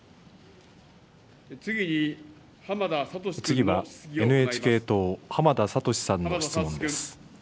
次はＮＨＫ党、浜田聡さんの質問です。